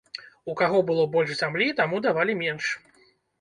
У каго было больш зямлі, таму давалі менш.